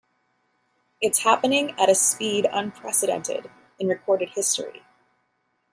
It's happening at a speed unprecedented in recorded history.